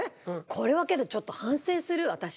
これはけどちょっと反省する私。